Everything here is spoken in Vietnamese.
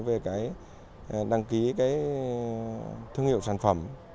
về cái đăng ký cái thương hiệu sản phẩm